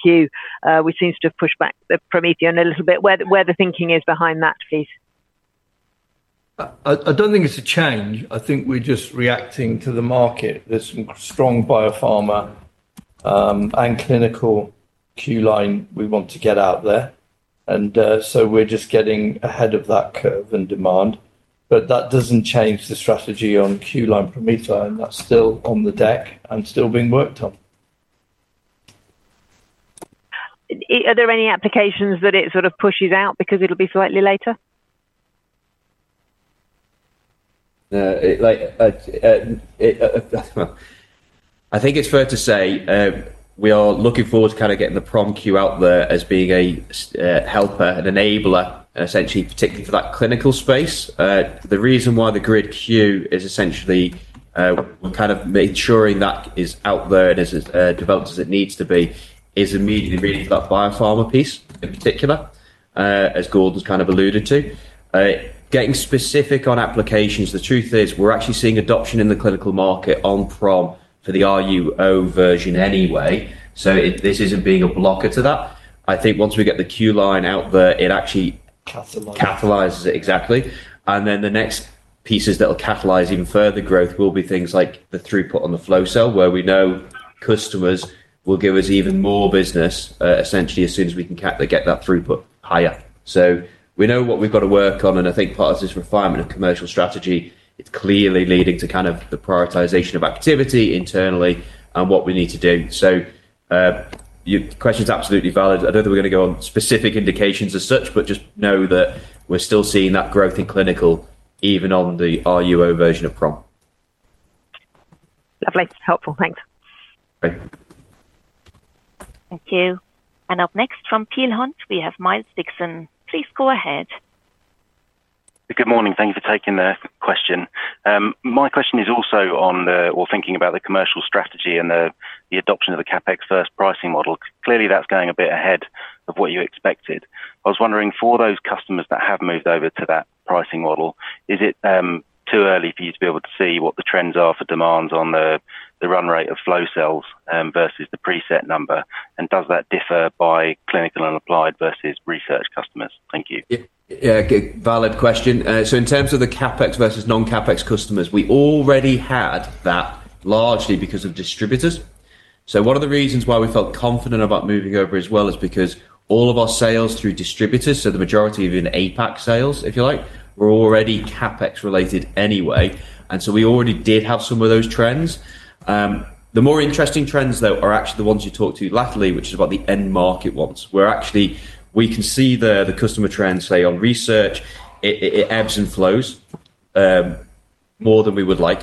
which seems to have pushed back the PromethION a little bit, where the thinking is behind that, please. I don't think it's a change. I think we're just reacting to the market. There's some strong biopharma and clinical Q-Line we want to get out there, so we're just getting ahead of that curve and demand. That doesn't change the strategy on Q-Line PromethION, and that's still on the deck and still being worked on. Are there any applications that it sort of pushes out because it'll be slightly later? I think it's fair to say we are looking forward to kind of getting the PromethION Q out there as being a helper and enabler, essentially, particularly for that clinical space. The reason why the Q-Line GridION is essentially kind of ensuring that is out there and is developed as it needs to be is immediately really that biopharma piece in particular, as Gordon's kind of alluded to. Getting specific on applications, the truth is we're actually seeing adoption in the clinical market on PromethION for the RUO version anyway. This isn't being a blocker to that. I think once we get the Q-Line out there, it actually catalyzes it exactly. The next pieces that will catalyze even further growth will be things like the throughput on the Flow Cell, where we know customers will give us even more business, essentially, as soon as we can get that throughput higher. We know what we've got to work on. I think part of this refinement of commercial strategy is clearly leading to kind of the prioritization of activity internally and what we need to do. Your question's absolutely valid. I don't think we're going to go on specific indications as such, but just know that we're still seeing that growth in clinical, even on the RUO version of PromethION. Lovely. Helpful. Thanks. Thank you. Up next from Peel Hunt, we have Miles Dixon. Please go ahead. Good morning. Thank you for taking the question. My question is also on the commercial strategy and the adoption of the CAPEX-first pricing model. Clearly, that's going a bit ahead of what you expected. I was wondering, for those customers that have moved over to that pricing model, is it too early for you to be able to see what the trends are for demands on the run rate of Flow Cells versus the preset number? Does that differ by clinical and applied versus research customers? Thank you. Yeah, valid question. In terms of the CAPEX versus non-CAPEX customers, we already had that largely because of distributors. One of the reasons why we felt confident about moving over as well is because all of our sales through distributors, so the majority of in APAC sales, if you like, were already CAPEX related anyway. We already did have some of those trends. The more interesting trends, though, are actually the ones you talked to latterly, which is about the end market ones, where actually we can see the customer trends, say, on research, it ebbs and flows more than we would like.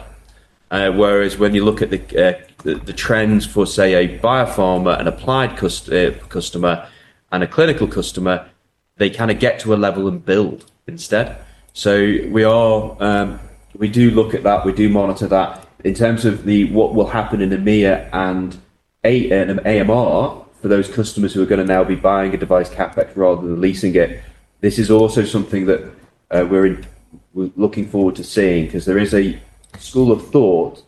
Whereas when you look at the trends for, say, a biopharma, an applied customer, and a clinical customer, they kind of get to a level and build instead. We do look at that. We do monitor that. In terms of what will happen in the MEOI and AMR for those customers who are going to now be buying a device CAPEX rather than leasing it, this is also something that we're looking forward to seeing because there is a school of thought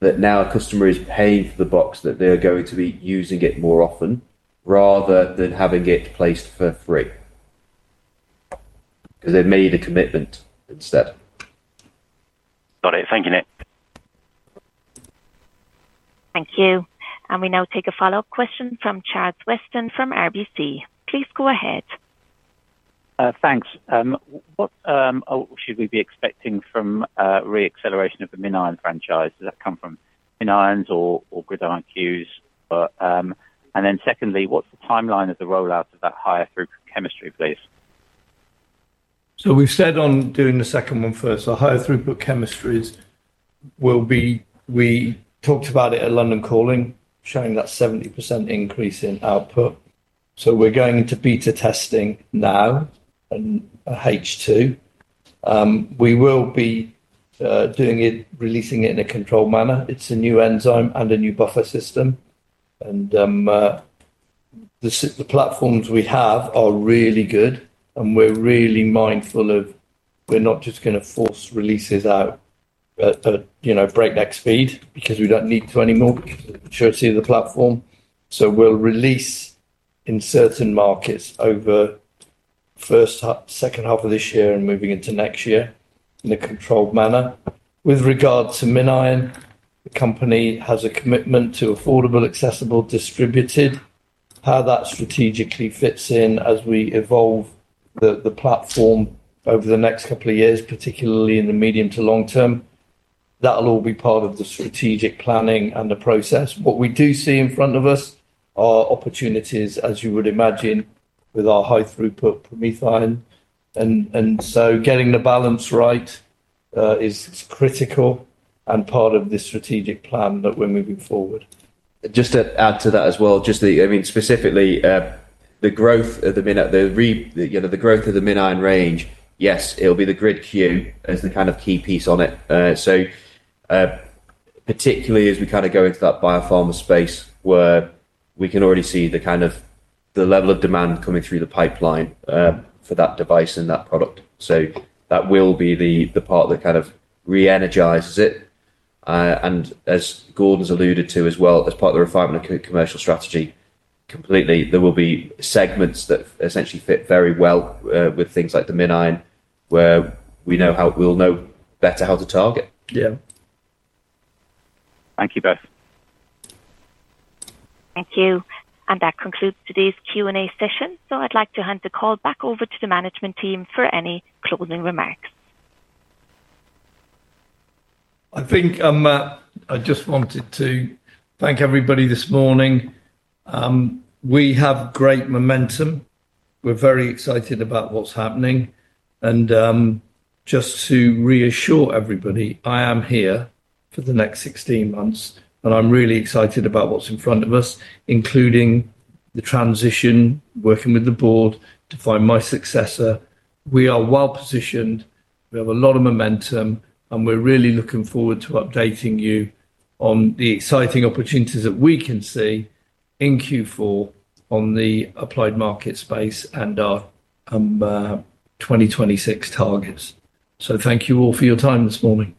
that now a customer is paying for the box, that they're going to be using it more often rather than having it placed for free. They've made a commitment instead. Got it. Thank you, Nick. Thank you. We now take a follow-up question from Charles Weston from RBC. Please go ahead. Thanks. What should we be expecting from reacceleration of the MinION franchise? Does that come from MinIONs or GridIONs? What's the timeline of the rollout of that higher throughput chemistry, please? We've said on doing the second one first, our higher throughput chemistries will be, we talked about it at London Calling, showing that 70% increase in output. We're going to beta testing now and a H2. We will be doing it, releasing it in a controlled manner. It's a new enzyme and a new buffer system. The platforms we have are really good, and we're really mindful of we're not just going to force releases out, you know, breakneck speed because we don't need to anymore because of the maturity of the platform. We'll release in certain markets over the first half, second half of this year, and moving into next year in a controlled manner. With regard to MinION, the company has a commitment to affordable, accessible, distributed. How that strategically fits in as we evolve the platform over the next couple of years, particularly in the medium to long term, that'll all be part of the strategic planning and the process. What we do see in front of us are opportunities, as you would imagine, with our high throughput PromethION. Getting the balance right is critical and part of this strategic plan that we're moving forward. Just to add to that as well, I mean specifically the growth of the, you know, the growth of the MinION range, yes, it'll be the GridION Q as the kind of key piece on it. Particularly as we kind of go into that biopharma space where we can already see the kind of the level of demand coming through the pipeline for that device and that product, that will be the part that kind of re-energizes it. As Gordon's alluded to as well, as part of the refinement of commercial strategy, completely, there will be segments that essentially fit very well with things like the MinION where we know how we'll know better how to target. Yeah, thank you both. Thank you. That concludes today's Q&A session. I'd like to hand the call back over to the management team for any closing remarks. I think I just wanted to thank everybody this morning. We have great momentum. We're very excited about what's happening. Just to reassure everybody, I am here for the next 16 months, and I'm really excited about what's in front of us, including the transition, working with the board to find my successor. We are well positioned. We have a lot of momentum, and we're really looking forward to updating you on the exciting opportunities that we can see in Q4 on the applied market space and our 2026 targets. Thank you all for your time this morning.